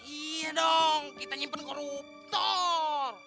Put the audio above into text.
iya dong kita nyimpen koruptor